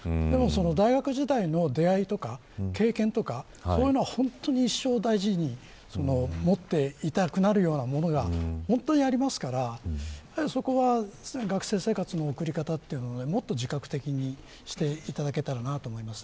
でも、大学時代の出会いとか経験とかそういうのは本当に一生大事に持っていたくなるようなものが本当にありますからそこは常に学生生活の送り方というのをもっと自覚的にしていただけたらと思います。